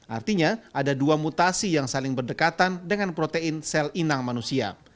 artinya ada dua mutasi yang saling berdekatan dengan protein sel inang manusia